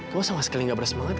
kamu sama sekali gak bersemangat